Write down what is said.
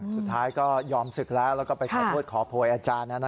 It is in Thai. สุดท้ายก็ยอมศึกแล้วแล้วก็ไปขอโทษขอโพยอาจารย์